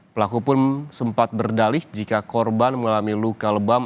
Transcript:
pelaku pun sempat berdalih jika korban mengalami luka lebam